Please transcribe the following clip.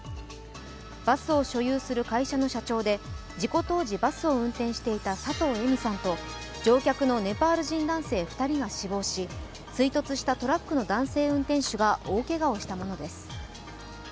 バスを所有する会社の社長で、事故当時バスを運転していた佐藤恵美さんと乗客のネパール人男性２人が死亡し追突したトラックの男性運転手が大けがをしたものです。